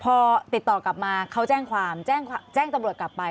พอติดต่อกลับมาเขาแจ้งความแจ้งตำรวจกลับไป